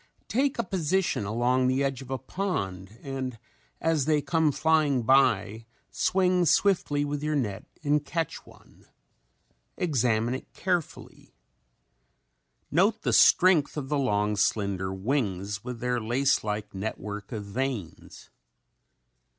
Take a position along the edge of a pond and as they come flying by swing swiftly with your net and catch one. Examine it carefully. Note the strength of the long, slender wings with their lace like network of veins.